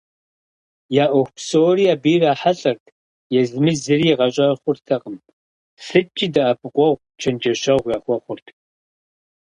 Я ӏуэху псори абы ирахьэлӏэрт, езыми зыри игъэщӏэхъуртэкъым, сыткӏи дэӏэпыкъуэгъу, чэнджэщэгъу яхуэхъурт.